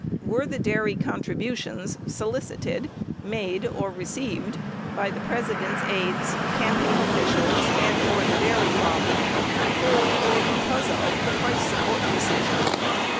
Were the dairy contribu tions solicited, made or received by the President's aides, campaign officials and/or the dairy lobby "for or because of" the price support decision